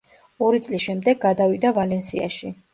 ორი წლის შემდეგ გადავიდა „ვალენსიაში“.